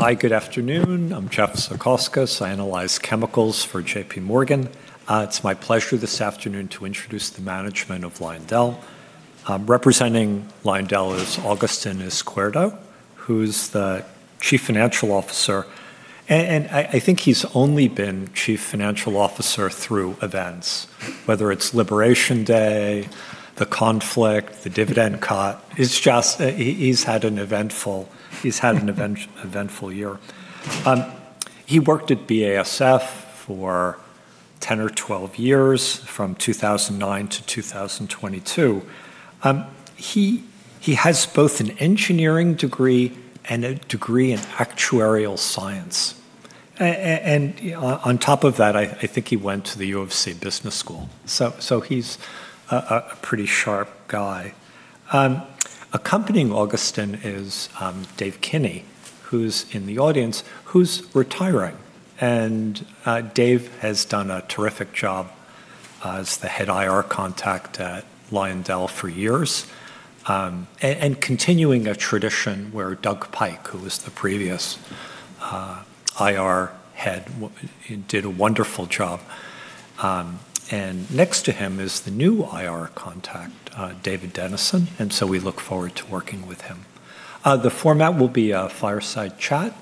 Hi, good afternoon. I'm Jeff Zekauskas. I analyze chemicals for JPMorgan. It's my pleasure this afternoon to introduce the management of Lyondell. Representing Lyondell is Agustin Izquierdo, who's the Chief Financial Officer. I think he's only been Chief Financial Officer through events, whether it's Liberation Day, the conflict, the dividend cut. It's just, he has had an eventful year. He worked at BASF for 10 or 12 years, from 2009-2022. He has both an engineering degree and a degree in actuarial science. On top of that, I think he went to the U of C Business School. He's a pretty sharp guy. Accompanying Agustin is Dave Kinney, who's in the audience, who's retiring. Dave has done a terrific job as the head IR contact at LyondellBasell for years, continuing a tradition where Doug Pike, who was the previous IR head, did a wonderful job. Next to him is the new IR contact, David Dennison, and we look forward to working with him. The format will be a fireside chat.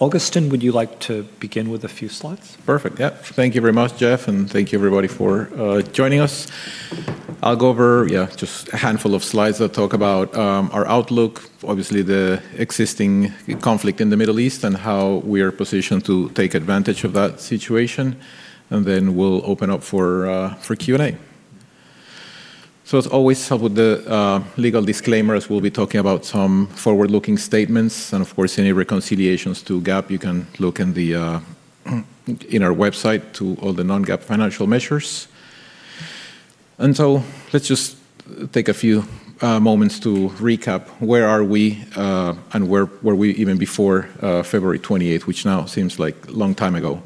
Agustin, would you like to begin with a few slides? Perfect. Yeah. Thank you very much, Jeff, and thank you everybody for joining us. I'll go over just a handful of slides that talk about our outlook, obviously the existing conflict in the Middle East and how we are positioned to take advantage of that situation, and then we'll open up for Q&A. As always, start with the legal disclaimers. We'll be talking about some forward-looking statements, and of course, any reconciliations to GAAP, you can look in our website to all the non-GAAP financial measures. Let's just take a few moments to recap where we are, and where we were even before February twenty-eighth, which now seems like a long time ago.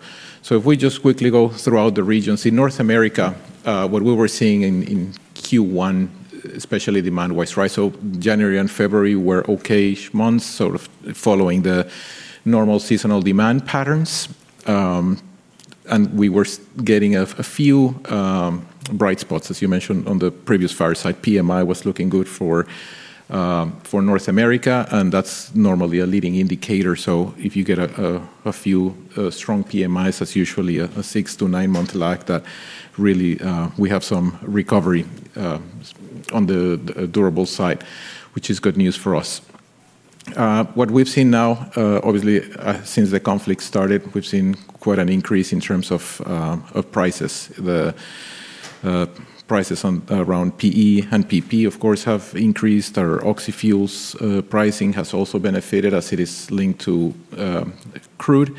If we just quickly go through the regions. In North America, what we were seeing in Q1, especially demand was rising. January and February were okay-ish months, sort of following the normal seasonal demand patterns. We were getting a few bright spots, as you mentioned on the previous fireside. PMI was looking good for North America, and that's normally a leading indicator. If you get a few strong PMIs, that's usually a six to nine-month lag that really we have some recovery on the durable side, which is good news for us. What we've seen now, obviously, since the conflict started, we've seen quite an increase in terms of prices. The prices around PE and PP, of course, have increased. Our oxyfuels pricing has also benefited as it is linked to crude.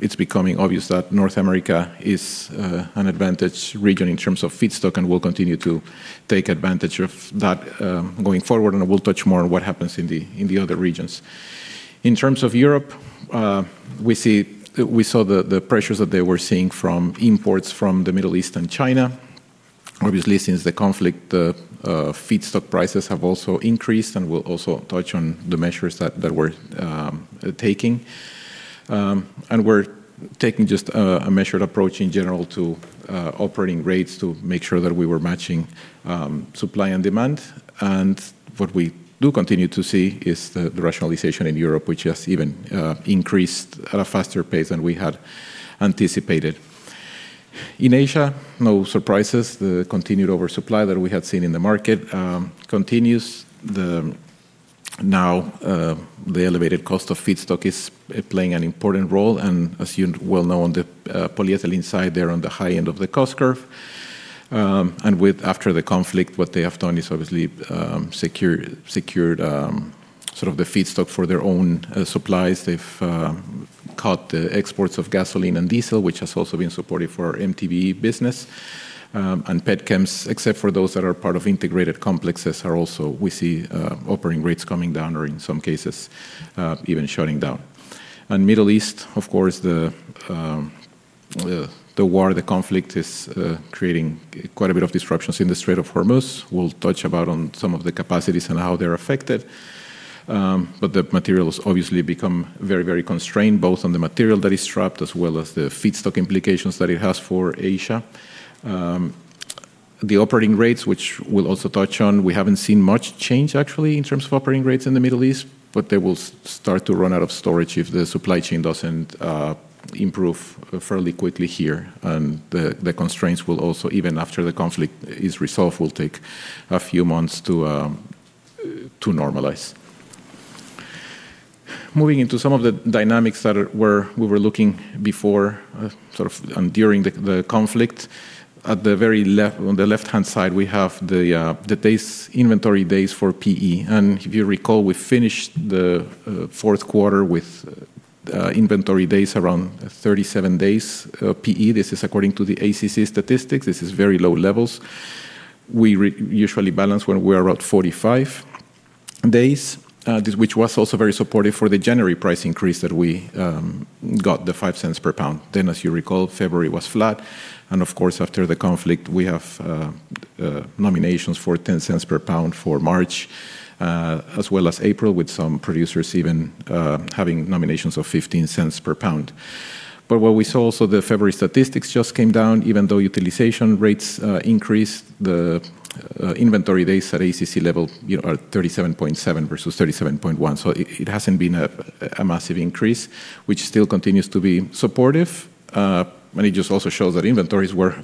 It's becoming obvious that North America is an advantage region in terms of feedstock and will continue to take advantage of that going forward, and we'll touch more on what happens in the other regions. In terms of Europe, we saw the pressures that they were seeing from imports from the Middle East and China. Obviously, since the conflict, the feedstock prices have also increased, and we'll also touch on the measures that we're taking. We're taking just a measured approach in general to operating rates to make sure that we were matching supply and demand. What we do continue to see is the rationalization in Europe, which has even increased at a faster pace than we had anticipated. In Asia, no surprises. The continued oversupply that we had seen in the market continues. Now, the elevated cost of feedstock is playing an important role, and as you well know, on the polyethylene side, they're on the high end of the cost curve. After the conflict, what they have done is obviously secured sort of the feedstock for their own supplies. They've cut the exports of gasoline and diesel, which has also been supportive for our MTBE business. Petchems, except for those that are part of integrated complexes, we see operating rates coming down or in some cases even shutting down. Middle East, of course, the war, the conflict is creating quite a bit of disruptions in the Strait of Hormuz. We'll touch on some of the capacities and how they're affected. The materials obviously become very, very constrained, both on the material that is trapped as well as the feedstock implications that it has for Asia. The operating rates, which we'll also touch on, we haven't seen much change actually in terms of operating rates in the Middle East, but they will start to run out of storage if the supply chain doesn't improve fairly quickly here. The constraints will also, even after the conflict is resolved, will take a few months to normalize. Moving into some of the dynamics that we were looking at before, sort of during the conflict. At the very left, on the left-hand side, we have the inventory days for PE. If you recall, we finished the fourth quarter with inventory days around 37 days, PE. This is according to the ACC statistics. This is very low levels. We usually balance when we're around 45 days, this which was also very supportive for the January price increase that we got, the $0.05 per pound. As you recall, February was flat. Of course, after the conflict, we have nominations for $0.10 per pound for March, as well as April, with some producers even having nominations of $0.15 per pound. What we saw also, the February statistics just came down even though utilization rates increased, the inventory days at ACC level, you know, are 37.7 versus 37.1. It hasn't been a massive increase, which still continues to be supportive. It just also shows that inventories were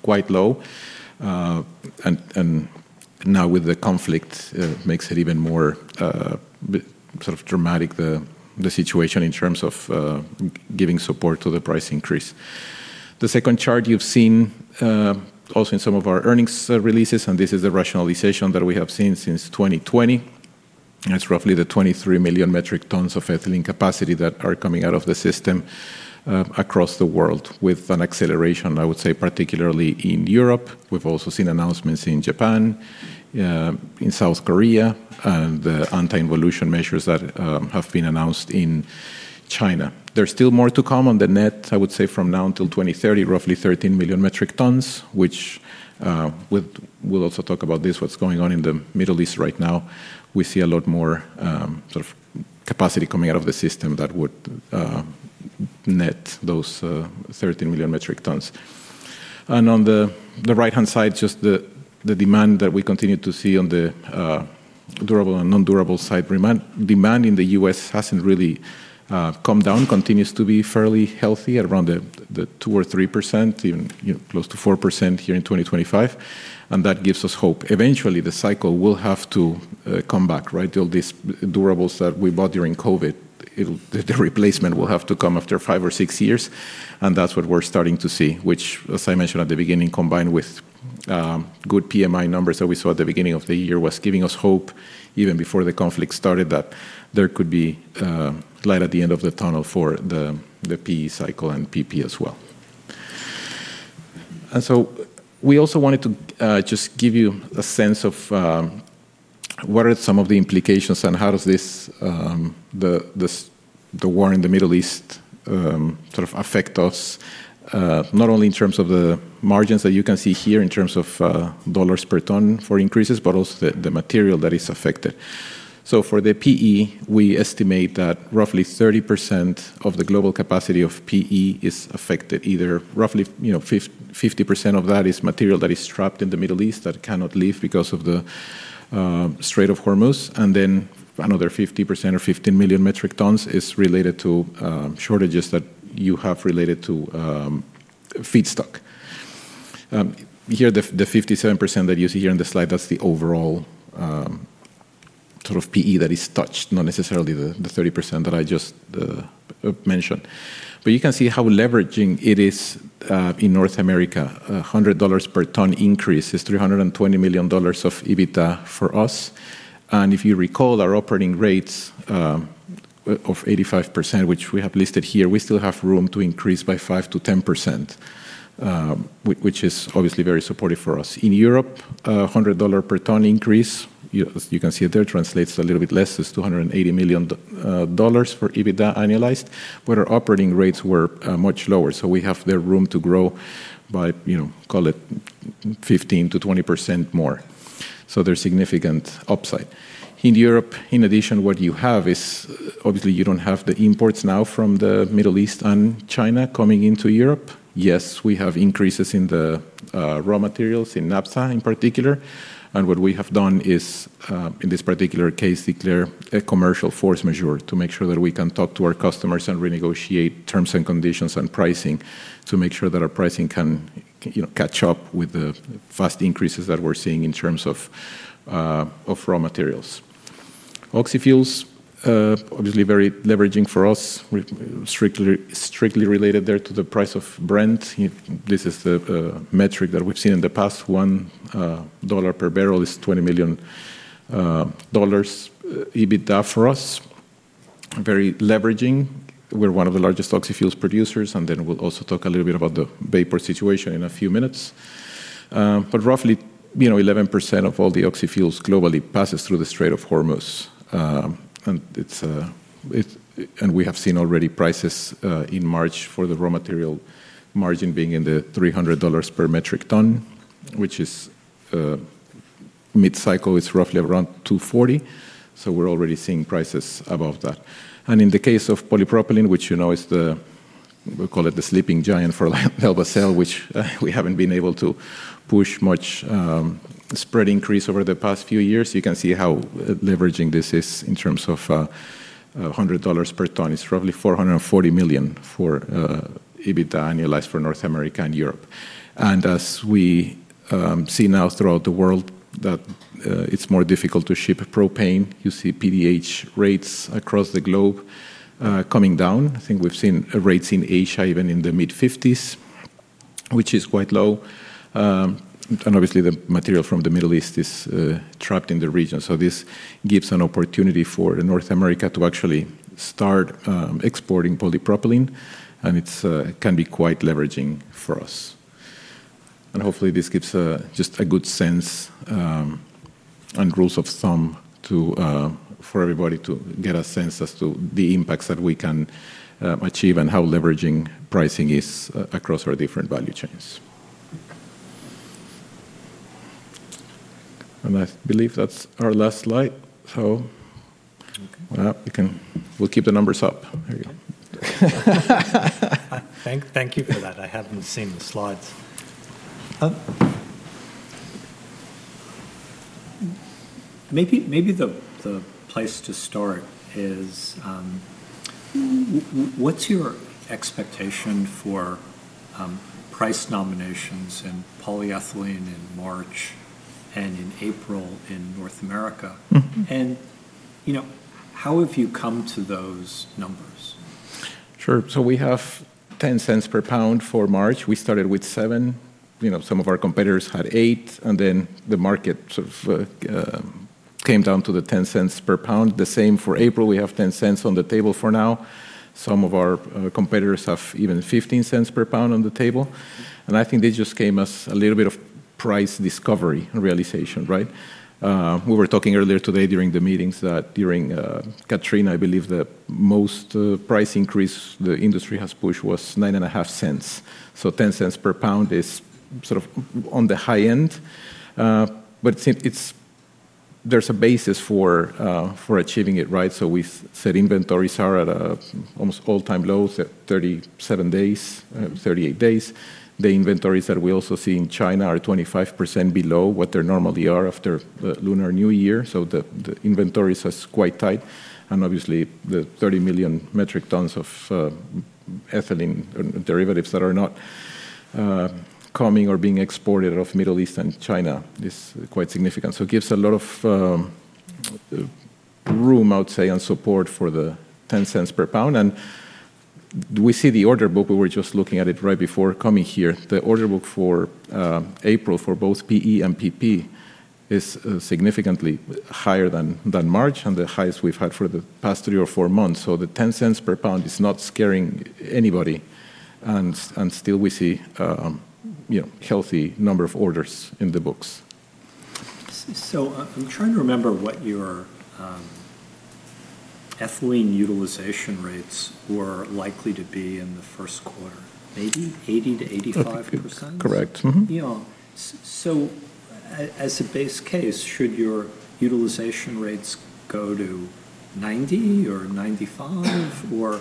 quite low. Now with the conflict, it makes it even more sort of dramatic, the situation in terms of giving support to the price increase. The second chart you've seen also in some of our earnings releases, and this is the rationalization that we have seen since 2020, and it's roughly 23 million metric tons of ethylene capacity that are coming out of the system across the world with an acceleration, I would say, particularly in Europe. We've also seen announcements in Japan in South Korea, the anti-involution measures that have been announced in China. There's still more to come on the net, I would say from now until 2030, roughly 13 million metric tons, which we'll also talk about this, what's going on in the Middle East right now. We see a lot more sort of capacity coming out of the system that would net those 13 million metric tons. On the right-hand side, just the demand that we continue to see on the durable and non-durable side. Remaining demand in the U.S., hasn't really come down, continues to be fairly healthy at around the 2% or 3% even, you know, close to 4% here in 2025, and that gives us hope. Eventually, the cycle will have to come back, right? All these durables that we bought during COVID, the replacement will have to come after five or six years, and that's what we're starting to see, which, as I mentioned at the beginning, combined with good PMI numbers that we saw at the beginning of the year, was giving us hope even before the conflict started, that there could be light at the end of the tunnel for the PE cycle and PP as well. We also wanted to just give you a sense of what are some of the implications and how does this, the war in the Middle East, sort of affect us, not only in terms of the margins that you can see here in terms of dollar per ton for increases, but also the material that is affected. For the PE, we estimate that roughly 30% of the global capacity of PE is affected, either roughly 50% of that is material that is trapped in the Middle East that cannot leave because of the Strait of Hormuz and then another 50% or 15 million metric tons is related to shortages that you have related to feedstock. Here the 57% that you see here on the slide, that's the overall sort of PE that is touched, not necessarily the 30% that I just mentioned. You can see how leveraging it is in North America. A $100 per ton increase is $320 million of EBITDA for us. If you recall, our operating rates of 85%, which we have listed here, we still have room to increase by 5%-10%, which is obviously very supportive for us. In Europe, a $100 per ton increase, as you can see it there, translates a little bit less. It's $280 million for EBITDA annualized, but our operating rates were much lower, so we have there room to grow by, you know, call it 15%-20% more. There's significant upside. In Europe, in addition, what you have is obviously you don't have the imports now from the Middle East and China coming into Europe. Yes, we have increases in the raw materials, in naphtha in particular, and what we have done is, in this particular case, declare a commercial force majeure to make sure that we can talk to our customers and renegotiate terms and conditions and pricing to make sure that our pricing can, you know, catch up with the fast increases that we're seeing in terms of of raw materials. Oxyfuels, obviously very leveraging for us, strictly related there to the price of Brent. This is the metric that we've seen in the past. $1 per barrel is $20 million EBITDA for us. Very leveraging. We're one of the largest oxyfuels producers, and then we'll also talk a little bit about the vapor situation in a few minutes. Roughly, you know, 11% of all the oxyfuels globally passes through the Strait of Hormuz. We have seen already prices in March for the raw material margin being in the $300 per metric ton, which is, mid-cycle is roughly around $240, so we're already seeing prices above that. In the case of polypropylene, which, you know, is the, we call it the sleeping giant for LyondellBasell, which, we haven't been able to push much, spread increase over the past few years. You can see how leveraging this is in terms of, $100 per ton. It's roughly $440 million for, EBITDA annualized for North America and Europe. As we see now throughout the world that it's more difficult to ship propane, you see PDH rates across the globe coming down. I think we've seen rates in Asia even in the mid-50s%, which is quite low. Obviously the material from the Middle East is trapped in the region. This gives an opportunity for North America to actually start exporting polypropylene, and it can be quite leveraging for us. Hopefully this gives just a good sense and rules of thumb for everybody to get a sense as to the impacts that we can achieve and how leveraging pricing is across our different value chains. I believe that's our last slide. Okay. Well, we'll keep the numbers up. There you go. Thank you for that. I hadn't seen the slides. Maybe the place to start is what's your expectation for price nominations in polyethylene in March and in April in North America? Mm-hmm. You know, how have you come to those numbers? Sure. We have $0.10 per pound for March. We started with $0.07. You know, some of our competitors had $0.08, and then the market sort of came down to the $0.10 per pound. The same for April. We have $0.10 on the table for now. Some of our competitors have even $0.15 per pound on the table. I think this just gave us a little bit of price discovery and realization, right? We were talking earlier today during the meetings that during Katrina, I believe the most price increase the industry has pushed was $0.095. $0.10 per pound is sort of on the high end. But there's a basis for achieving it, right? We've said inventories are at almost all-time lows at 37 days, 38 days. The inventories that we also see in China are 25% below what they normally are after the Lunar New Year, the inventories is quite tight. Obviously, the 30 million metric tons of ethylene derivatives that are not coming or being exported out of Middle East and China is quite significant. It gives a lot of room, I would say, and support for the $0.10 per pound. We see the order book. We were just looking at it right before coming here. The order book for April for both PE and PP is significantly higher than March and the highest we've had for the past three or four months. The $0.10 per pound is not scaring anybody. Still we see, you know, healthy number of orders in the books. I'm trying to remember what your Ethylene utilization rates were likely to be in the first quarter. Maybe 80%-85%? I think it's correct. Mm-hmm. You know. As a base case, should your utilization rates go to 90 or 95? Or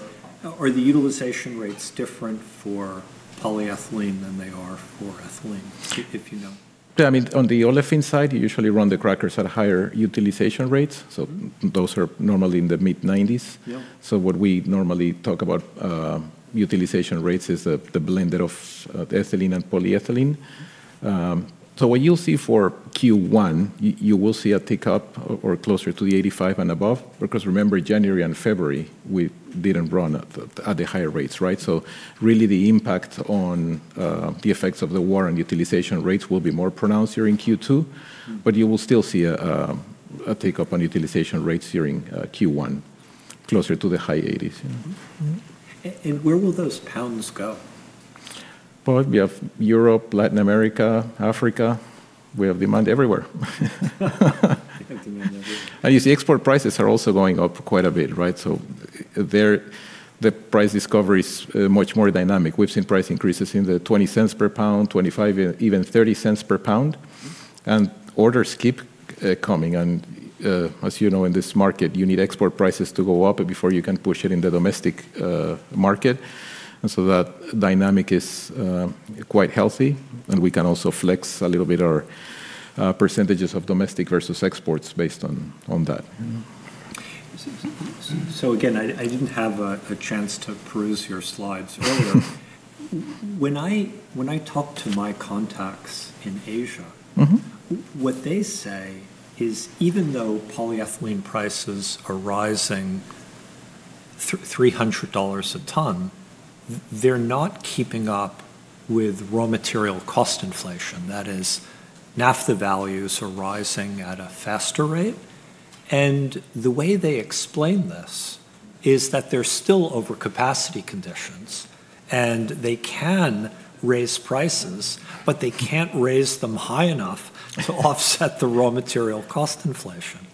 are the utilization rates different for polyethylene than they are for ethylene, if you know? Yeah, I mean, on the olefin side, you usually run the crackers at higher utilization rates. Mm-hmm. Those are normally in the mid-90s%. Yeah. What we normally talk about utilization rates is the blend of ethylene and polyethylene. What you'll see for Q1, you will see a tick up or closer to the 85% and above, because remember, January and February, we didn't run at the higher rates, right? Really the impact on the effects of the war on utilization rates will be more pronounced here in Q2. Mm-hmm. You will still see a tick up on utilization rates here in Q1, closer to the high eighties, you know. Where will those pounds go? Well, we have Europe, Latin America, Africa. We have demand everywhere. You have demand everywhere. You see export prices are also going up quite a bit, right? There the price discovery is much more dynamic. We've seen price increases in the $0.20 per pound, $0.25 and even $0.30 per pound. Mm-hmm. Orders keep coming. As you know, in this market, you need export prices to go up before you can push it in the domestic market. That dynamic is quite healthy. We can also flex a little bit our percentages of domestic versus exports based on that. Mm-hmm. Again, I didn't have a chance to peruse your slides earlier. When I talk to my contacts in Asia- Mm-hmm What they say is even though polyethylene prices are rising $300 a ton, they're not keeping up with raw material cost inflation. That is, naphtha values are rising at a faster rate. The way they explain this is that there's still overcapacity conditions, and they can raise prices, but they can't raise them high enough to offset the raw material cost inflation.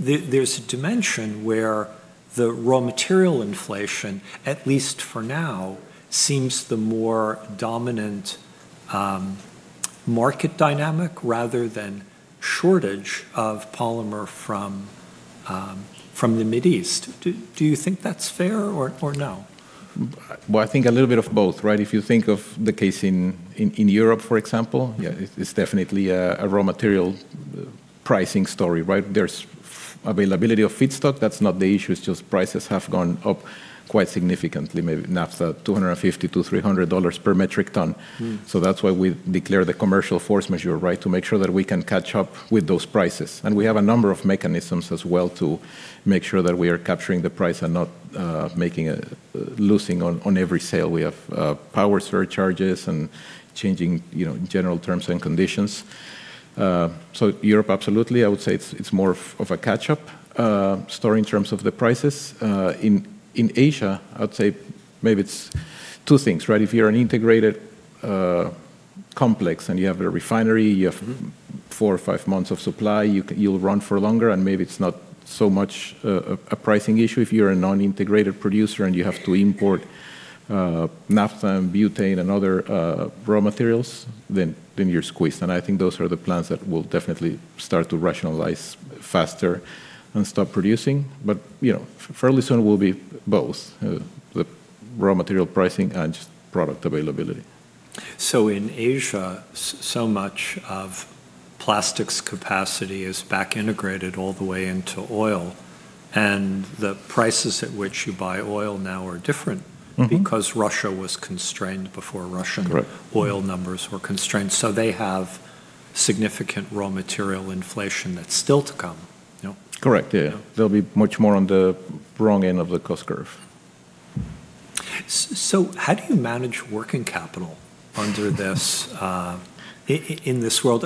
There's a dimension where the raw material inflation, at least for now, seems the more dominant market dynamic rather than shortage of polymer from the Middle East. Do you think that's fair or no? Well, I think a little bit of both, right? If you think of the case in Europe, for example, yeah, it's definitely a raw material pricing story, right? There's availability of feedstock. That's not the issue. It's just prices have gone up quite significantly, maybe naphtha, $250-$300 per metric ton. Mm-hmm. That's why we declared the commercial force majeure, right? To make sure that we can catch up with those prices. We have a number of mechanisms as well to make sure that we are capturing the price and not losing on every sale. We have power surcharges and changing, you know, general terms and conditions. Europe, absolutely. I would say it's more of a catch-up story in terms of the prices. In Asia, I would say maybe it's two things, right? If you're an integrated complex and you have a refinery, you have Mm-hmm Four or five months of supply, you'll run for longer, and maybe it's not so much a pricing issue. If you're a non-integrated producer and you have to import naphtha and butane and other raw materials, then you're squeezed. I think those are the plants that will definitely start to rationalize faster and stop producing. You know, fairly soon will be both the raw material pricing and just product availability. In Asia, so much of plastics capacity is back integrated all the way into oil, and the prices at which you buy oil now are different. Mm-hmm because Russia was constrained before Russian Correct... oil numbers were constrained. They have significant raw material inflation that's still to come, you know? Correct. Yeah. Yeah. They'll be much more on the wrong end of the cost curve. How do you manage working capital in this world?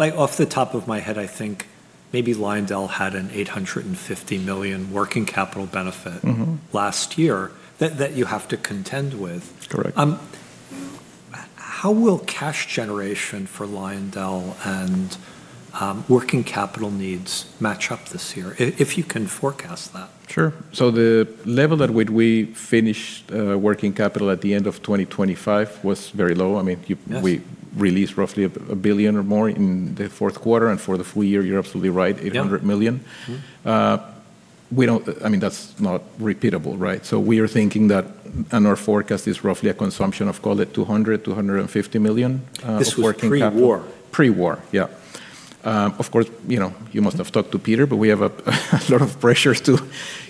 Off the top of my head, I think maybe Lyondell had an $850 million working capital benefit. Mm-hmm last year that you have to contend with. Correct. How will cash generation for LyondellBasell and working capital needs match up this year? If you can forecast that. Sure. The level at which we finished working capital at the end of 2025 was very low. I mean, you Yes We released roughly a billion or more in the fourth quarter. For the full year, you're absolutely right, $800 million. Yeah. Mm-hmm. I mean, that's not repeatable, right? We are thinking that, and our forecast is roughly a consumption of call it $200 million-$250 million of working capital. This was pre-war. Pre-war, yeah. Of course, you know, you must have talked to Peter, but we have a lot of pressures to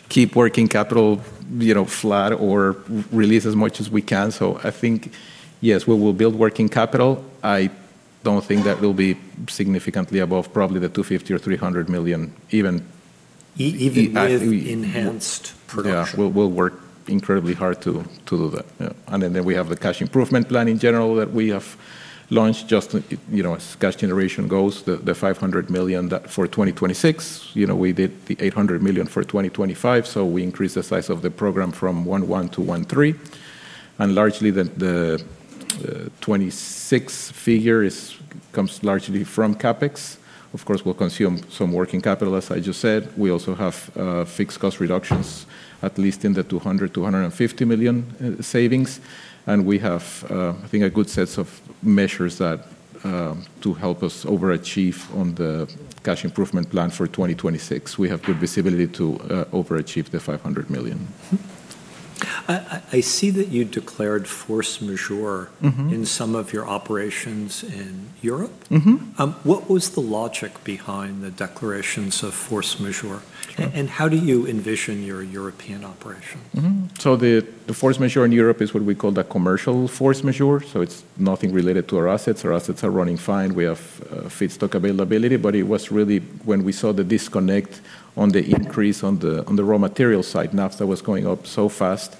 keep working capital, you know, flat or release as much as we can. I think, yes, we will build working capital. I don't think that will be significantly above probably $250 million or $300 million even. Even with I think we Enhanced production. Yeah. We'll work incredibly hard to do that. Yeah. Then we have the cash improvement plan in general that we have launched just, you know, as cash generation goes, the $500 million for 2026. You know, we did the $800 million for 2025, so we increased the size of the program from $1.1 billion-$1.3 billion. Largely the 2026 figure comes largely from CapEx. Of course, we'll consume some working capital, as I just said. We also have fixed cost reductions at least in the $250 million in savings. We have, I think, a good set of measures that to help us overachieve on the cash improvement plan for 2026. We have good visibility to overachieve the $500 million. Mm-hmm. I see that you declared force majeure. Mm-hmm In some of your operations in Europe. Mm-hmm. What was the logic behind the declarations of force majeure? Sure. How do you envision your European operation? The force majeure in Europe is what we call the commercial force majeure, so it's nothing related to our assets. Our assets are running fine. We have feedstock availability. It was really when we saw the disconnect on the increase on the raw material side. Naphtha was going up so fast,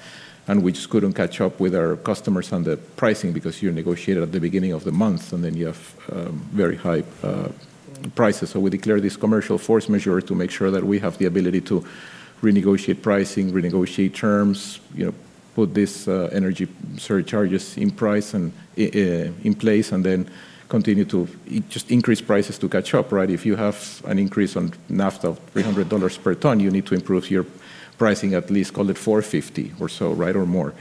and we just couldn't catch up with our customers on the pricing because you negotiated at the beginning of the month, and then you have very high prices. We declared this commercial force majeure to make sure that we have the ability to renegotiate pricing, renegotiate terms, you know, put this energy surcharges in price and in place, and then continue to just increase prices to catch up, right? If you have an increase on naphtha of $300 per ton, you need to improve your pricing at least, call it $450 or so, right? Or more.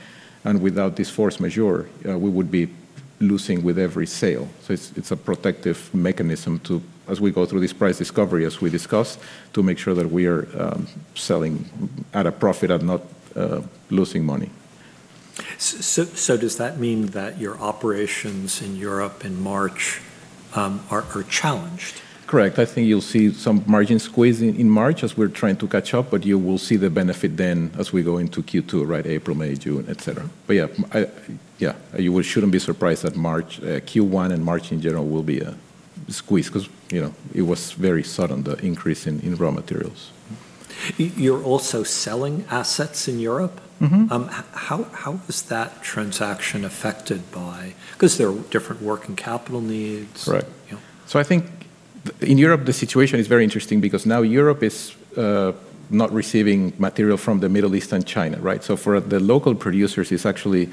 Without this force majeure, we would be losing with every sale. It's a protective mechanism to, as we go through this price discovery, as we discussed, to make sure that we are selling at a profit and not losing money. Does that mean that your operations in Europe in March are challenged? Correct. I think you'll see some margin squeeze in March as we're trying to catch up, but you will see the benefit then as we go into Q2, right? April, May, June, et cetera. Yeah, you shouldn't be surprised that March, Q1 and March in general will be a squeeze because, you know, it was very sudden, the increase in raw materials. You're also selling assets in Europe? Mm-hmm. How is that transaction affected, 'cause there are different working capital needs? Right. You know. I think in Europe, the situation is very interesting because now Europe is not receiving material from the Middle East and China, right? For the local producers, it's actually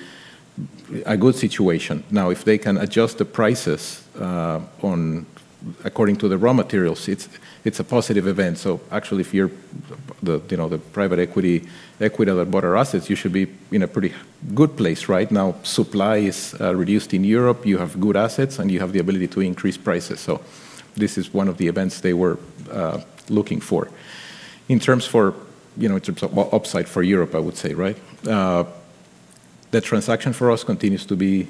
a good situation. Now, if they can adjust the prices according to the raw materials, it's a positive event. Actually, if you're the, you know, the private equity that bought our assets, you should be in a pretty good place right now. Supply is reduced in Europe, you have good assets, and you have the ability to increase prices. This is one of the events they were looking for. In terms of, well, upside for Europe, I would say, right? The transaction for us continues to be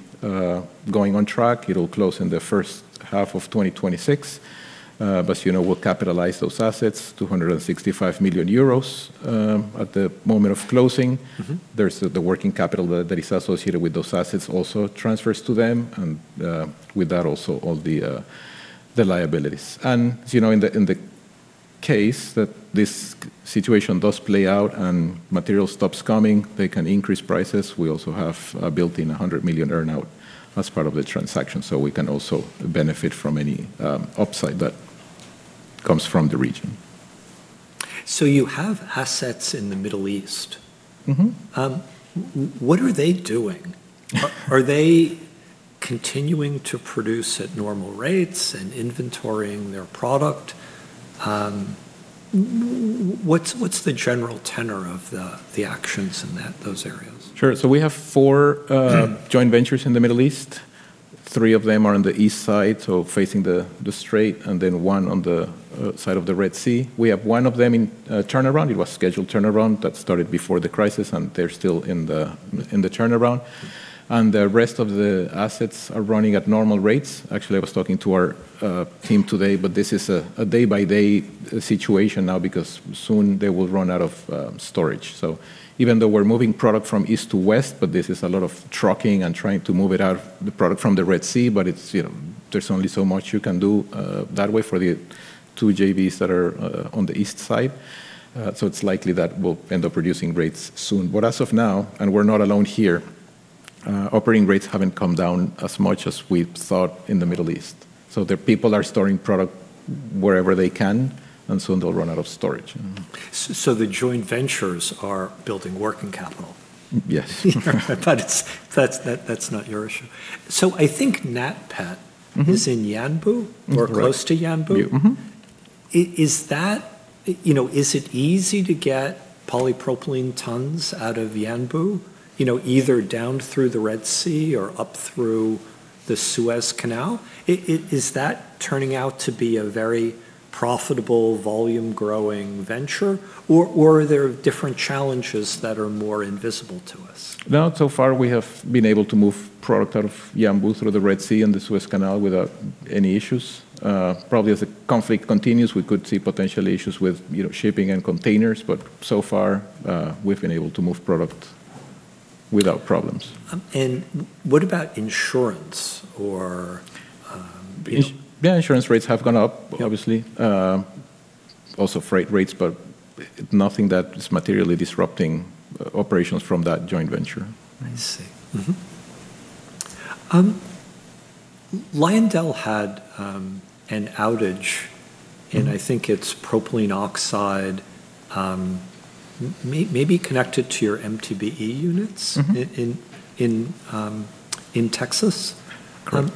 going on track. It'll close in the first half of 2026. You know, we'll capitalize those assets, 265 million euros, at the moment of closing. Mm-hmm. There's the working capital that is associated with those assets also transfers to them and, with that also all the liabilities. As you know, in the case that this situation does play out and material stops coming, they can increase prices. We also have built in $100 million earn-out as part of the transaction, so we can also benefit from any upside that comes from the region. You have assets in the Middle East. Mm-hmm. What are they doing? Are they continuing to produce at normal rates and inventorying their product? What's the general tenor of the actions in those areas? Sure. We have four joint ventures in the Middle East. Three of them are on the east side, so facing the strait, and then one on the side of the Red Sea. We have one of them in turnaround. It was scheduled turnaround that started before the crisis, and they're still in the turnaround. The rest of the assets are running at normal rates. Actually, I was talking to our team today, but this is a day-by-day situation now because soon they will run out of storage. Even though we're moving product from east to west, but this is a lot of trucking and trying to move it out, the product from the Red Sea, but it's, you know, there's only so much you can do that way for the two JVs that are on the east side. It's likely that we'll end up reducing rates soon. As of now, and we're not alone here, operating rates haven't come down as much as we thought in the Middle East. The people are storing product wherever they can, and soon they'll run out of storage. The joint ventures are building working capital? Yes. That's not your issue. I think NatPet Mm-hmm. is in Yanbu Right. or close to Yanbu. Mm-hmm. Is that you know, is it easy to get polypropylene tons out of Yanbu, you know, either down through the Red Sea or up through the Suez Canal? Is that turning out to be a very profitable, volume-growing venture, or are there different challenges that are more invisible to us? No, so far, we have been able to move product out of Yanbu through the Red Sea and the Suez Canal without any issues. Probably as the conflict continues, we could see potential issues with, you know, shipping and containers, but so far, we've been able to move product without problems. What about insurance? Yeah, insurance rates have gone up, obviously. Also freight rates, but nothing that is materially disrupting operations from that joint venture. I see. Mm-hmm. Lyondell had an outage in, I think it's propylene oxide, maybe connected to your MTBE units. Mm-hmm. in Texas. Correct.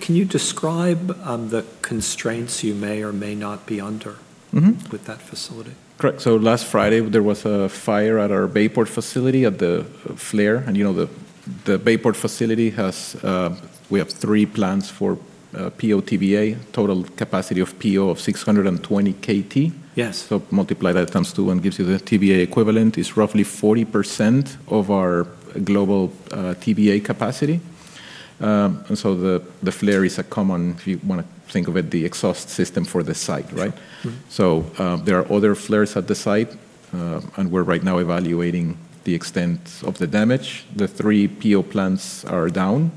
Can you describe the constraints you may or may not be under? Mm-hmm. With that facility? Correct. Last Friday, there was a fire at our Bayport facility at the flare. You know, the Bayport facility. We have three plants for PO/TBA, total capacity of PO of 620 KT. Yes. Multiply that times two and gives you the TBA equivalent. It's roughly 40% of our global TBA capacity. The flare is a common, if you wanna think of it, the exhaust system for the site, right? Mm-hmm. There are other flares at the site, and we're right now evaluating the extent of the damage. The three PO plants are down,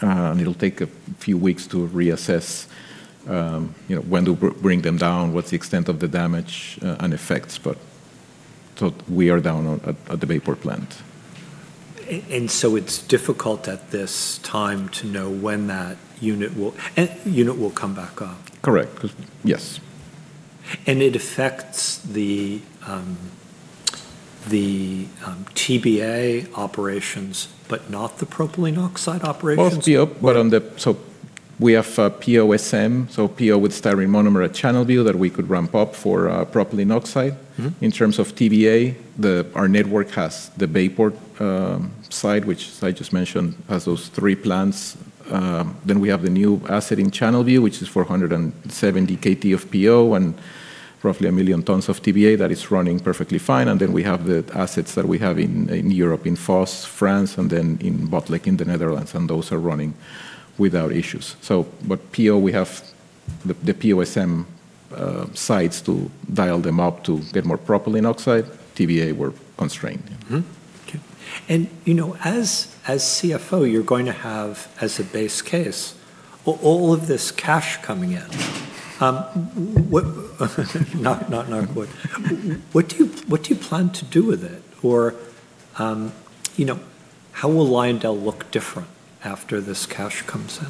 and it'll take a few weeks to reassess, you know, when to bring them down, what's the extent of the damage, and effects. We are down at the Bayport plant. It's difficult at this time to know when that unit will come back up. Correct. Yes. It affects the TBA operations, but not the propylene oxide operations? We have POSM, so PO with Styrene monomer at Channelview that we could ramp up for propylene oxide. Mm-hmm. In terms of TBA, our network has the Bayport site, which I just mentioned, has those three plants. Then we have the new asset in Channelview, which is 470 KT of PO and roughly 1 million tons of TBA that is running perfectly fine. We have the assets that we have in Europe, in Fos, France, and then in Botlek in the Netherlands, and those are running without issues. PO, we have the POSM sites to dial them up to get more propylene oxide. TBA, we're constrained. Okay. You know, as CFO, you're going to have, as a base case, all of this cash coming in. Knock, knock on wood. What do you plan to do with it? Or, you know, how will Lyondell look different after this cash comes in?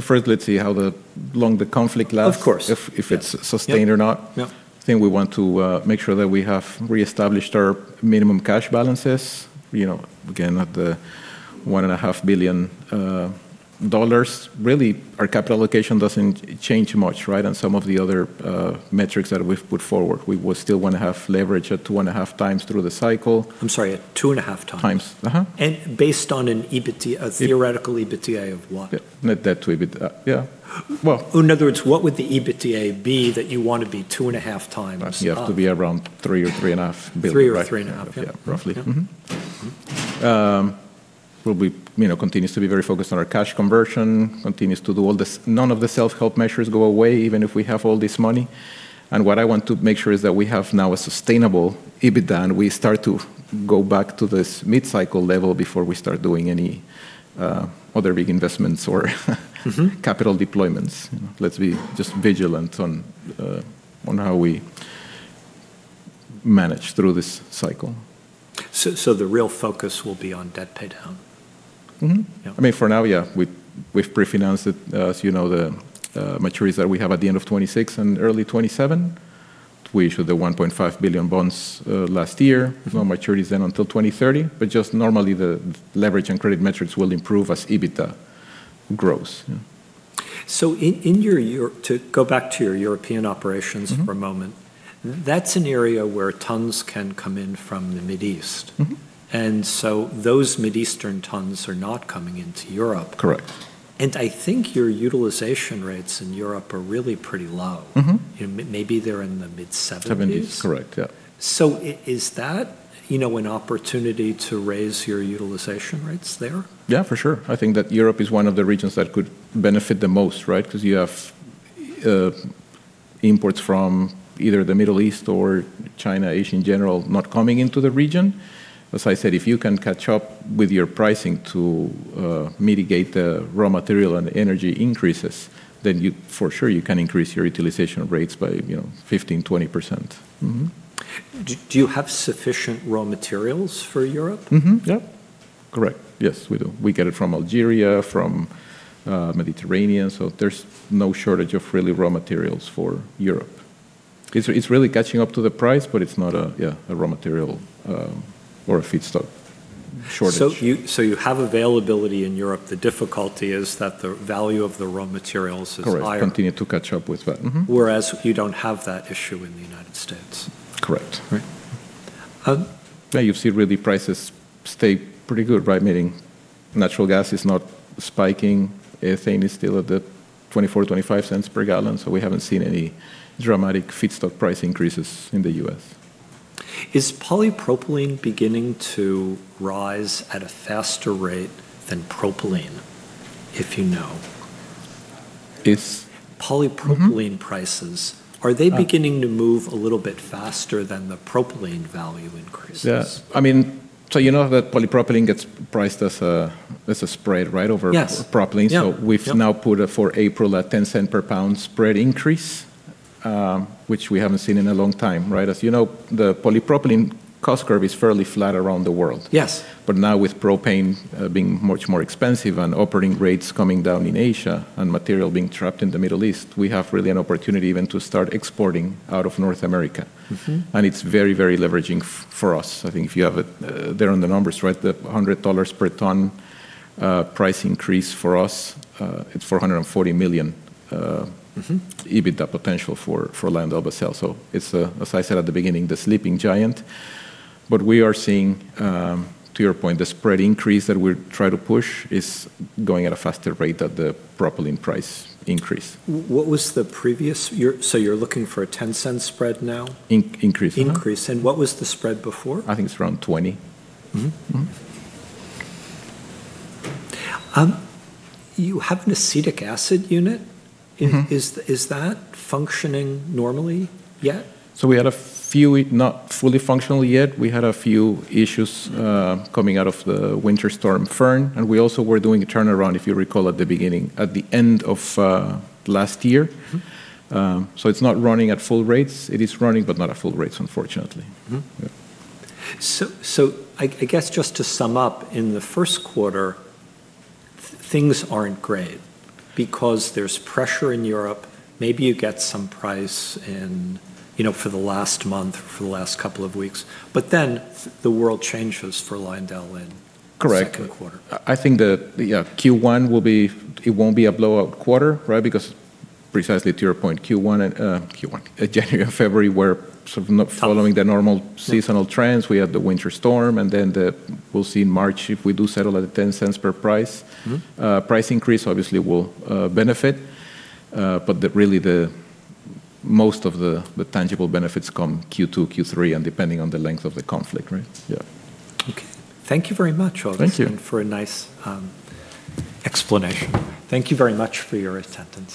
First, let's see how long the conflict lasts. Of course. if it's sustained or not. Yeah. I think we want to make sure that we have reestablished our minimum cash balances, you know, again, at the $1.5 billion. Really, our capital allocation doesn't change much, right? Some of the other metrics that we've put forward. We will still wanna have leverage at 2.5x through the cycle. I'm sorry, at 2.5x? Times. Based on an EBITDA, a theoretical EBITDA of what? Yeah. Net debt to EBITDA. Yeah. Well. In other words, what would the EBITDA be that you want to be 2.5x of? You have to be around $3 billion-$3.5 billion. 3 or 3.5. Yeah. Yeah. Roughly. Yeah. We'll be, you know, continues to be very focused on our cash conversion, continues to do all this. None of the self-help measures go away, even if we have all this money. What I want to make sure is that we have now a sustainable EBITDA, and we start to go back to this mid-cycle level before we start doing any other big investments or capital deployments. Let's be just vigilant on how we manage through this cycle. The real focus will be on debt pay down? Mm-hmm. Yeah. I mean, for now, yeah, we've pre-financed it. As you know, the maturities that we have at the end of 2026 and early 2027, we issued the $1.5 billion bonds last year. There's no maturities then until 2030. Just normally the leverage and credit metrics will improve as EBITDA grows, yeah. To go back to your European operations- Mm-hmm For a moment, that's an area where tons can come in from the Middle East. Mm-hmm. Those Middle Eastern tons are not coming into Europe. Correct. I think your utilization rates in Europe are really pretty low. Mm-hmm. Maybe they're in the mid-70s. 70s, correct. Yeah. Is that, you know, an opportunity to raise your utilization rates there? Yeah, for sure. I think that Europe is one of the regions that could benefit the most, right? Because you have imports from either the Middle East or China, Asia in general, not coming into the region. As I said, if you can catch up with your pricing to mitigate the raw material and energy increases, then you, for sure, can increase your utilization rates by, you know, 15%-20%. Do you have sufficient raw materials for Europe? Mm-hmm. Yeah. Correct. Yes, we do. We get it from Algeria, from Mediterranean. There's no shortage of really raw materials for Europe. It's really catching up to the price, but it's not a- Yeah... a raw material, or a feedstock shortage. You have availability in Europe. The difficulty is that the value of the raw materials is higher. Correct. Continue to catch up with that. Whereas you don't have that issue in the United States. Correct. Right. Now you've seen, really, prices stay pretty good, right? Meaning natural gas is not spiking, ethane is still at the $0.24-$0.25 per gallon. We haven't seen any dramatic feedstock price increases in the U.S. Is polypropylene beginning to rise at a faster rate than propylene, if you know? It's- Polypropylene- Mm-hmm prices. Are they beginning to move a little bit faster than the propylene value increases? Yeah. I mean, you know that polypropylene gets priced as a spread, right, over- Yes propylene. Yeah. We've now put for April a $0.10 per pound spread increase, which we haven't seen in a long time, right? As you know, the polypropylene cost curve is fairly flat around the world. Yes. Now with propane being much more expensive and operating rates coming down in Asia and material being trapped in the Middle East, we have really an opportunity even to start exporting out of North America. Mm-hmm. It's very, very leveraging for us. I think if you have it there on the numbers, right, the $100 per ton price increase for us, it's $440 million. Mm-hmm EBITDA potential for LyondellBasell. It's as I said at the beginning, the sleeping giant. We are seeing to your point, the spread increase that we're trying to push is going at a faster rate than the propylene price increase. What was the previous year? You're looking for a $0.10 spread now? In-increase. Increase. What was the spread before? I think it's around 20. Mm-hmm. Mm-hmm. You have an acetic acid unit. Mm-hmm. Is that functioning normally yet? We had a few not fully functional yet. We had a few issues coming out of the Winter Storm Fern. We also were doing a turnaround, if you recall at the beginning, at the end of last year. Mm-hmm. It's not running at full rates. It is running, but not at full rates, unfortunately. Mm-hmm. Yeah. I guess just to sum up, in the first quarter, things aren't great because there's pressure in Europe. Maybe you get some price in, you know, for the last month or for the last couple of weeks. Then the world changes for LyondellBasell in- Correct the second quarter. I think yeah, Q1 will be. It won't be a blowout quarter, right? Because precisely to your point, Q1, January, February were sort of not following the normal seasonal trends. We had the winter storm, and then we'll see in March if we do settle at $0.10 Per price. Mm-hmm. Price increase obviously will benefit. Really the most of the tangible benefits come Q2, Q3, and depending on the length of the conflict, right? Yeah. Okay. Thank you very much, Agustin- Thank you.... for a nice, explanation. Thank you very much for your attendance.